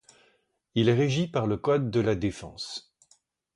Il est régi par le code de la Défense.